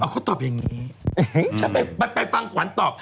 ก็ตอบอย่างนี้ไปฟังขวัญตอบ